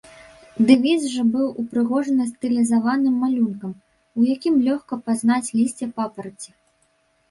Дэвіз жа быў упрыгожаны стылізаваным малюнкам, у якім лёгка пазнаць лісце папараці.